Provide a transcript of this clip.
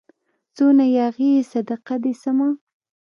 څونه ياغي يې صدقه دي سمه